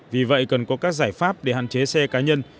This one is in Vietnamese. vì vậy cần có các giải pháp để hạn chế xe cá nhân